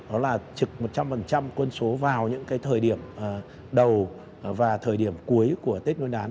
đó là trực một trăm linh quân số vào những cái thời điểm đầu và thời điểm cuối của tết nguyên đán